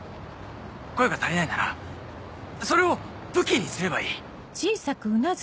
声が足りないならそれを武器にすればいい。